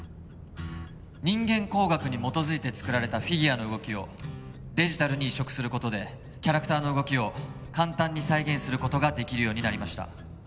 人間工学に基づいて作られたフィギュアの動きをデジタルに移植することでキャラクターの動きを簡単に再現することができるようになりました